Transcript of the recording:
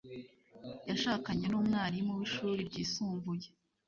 Yashakanye numwarimu wishuri ryisumbuye.